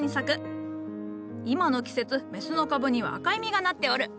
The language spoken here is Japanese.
今の季節メスの株には赤い実がなっておる。